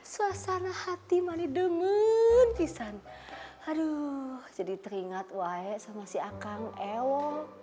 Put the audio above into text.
suasana hati mani demon pisan aduh jadi teringat week sama si akang ewo